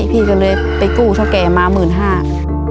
พี่ก็เลยไปกู้เช่าแก่มา๑๕๐๐๐บาท